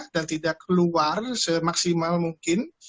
dan tidak keluar semaksimal mungkin